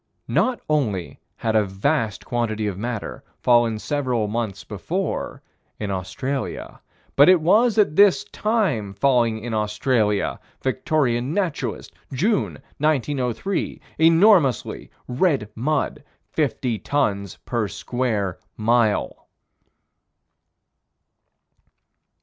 Not only had a vast quantity of matter fallen several months before, in Australia, but it was at this time falling in Australia (Victorian Naturalist, June, 1903) enormously red mud fifty tons per square mile.